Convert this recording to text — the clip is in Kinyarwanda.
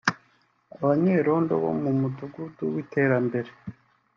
Abanyerondo bo mu Mudugudu w’Iterambere